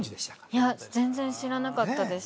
いや全然知らなかったです